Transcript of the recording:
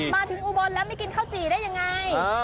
อุบลแล้วไม่กินข้าวจี่ได้ยังไง